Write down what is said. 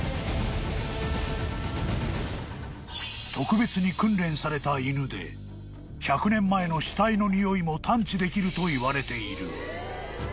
［特別に訓練された犬で１００年前の死体のにおいも探知できるといわれている］